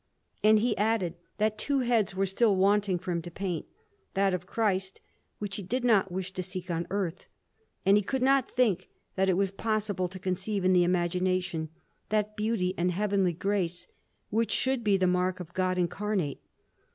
And he added that two heads were still wanting for him to paint; that of Christ, which he did not wish to seek on earth; and he could not think that it was possible to conceive in the imagination that beauty and heavenly grace which should be the mark of God incarnate.